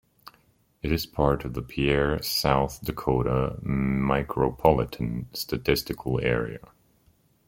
It is part of the Pierre, South Dakota Micropolitan Statistical Area.